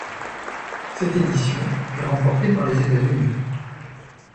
Cette édition est remportée par les États-Unis.